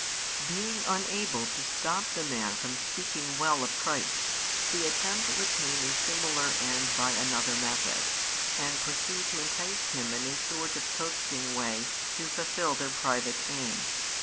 Being unable to stop the man from speaking well of |37 Christ, they attempt to attain a similar end by another method, and proceed to entice him in a sort of coaxing way to fulfil their private aim.